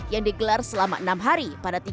yang berlagak di ajang raya indonesia